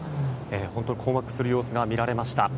本当に困惑する様子が見られました。